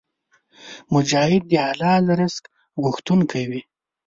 مجاهد د حلال رزق غوښتونکی وي.